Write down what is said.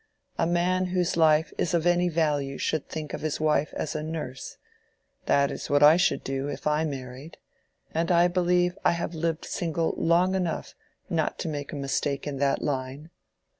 A man whose life is of any value should think of his wife as a nurse: that is what I should do, if I married; and I believe I have lived single long enough not to make a mistake in that line.